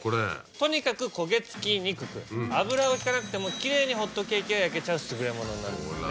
とにかく焦げつきにくく油を引かなくてもきれいにホットケーキを焼けちゃう優れものなんですよね。